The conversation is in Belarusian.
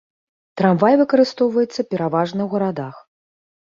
Трамвай выкарыстоўваецца пераважна ў гарадах.